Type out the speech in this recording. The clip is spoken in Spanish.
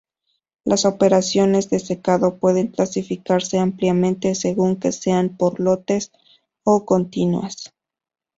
Las operaciones de secado pueden clasificarse ampliamente según que sean por lotes o continuas.